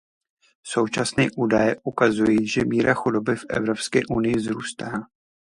Současné údaje ukazují, že míra chudoby v evropské unii vzrůstá.